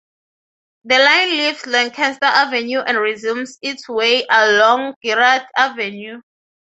The line leaves Lancaster Avenue and resumes its way along Girard Avenue.